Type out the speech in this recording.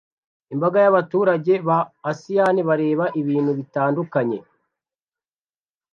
Imbaga yabaturage ba asiyani bareba ibintu bitandukanye